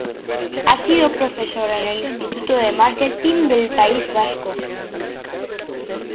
Ha sido profesor en el Instituto de Marketing del País Vasco.